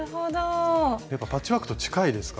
やっぱパッチワークと近いですか？